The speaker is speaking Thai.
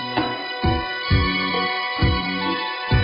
ร้องได้ให้ร้อง